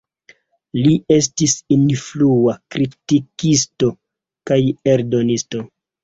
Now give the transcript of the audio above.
Li estis influa kritikisto kaj eldonisto.